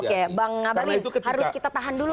oke bang ngabalin harus kita tahan dulu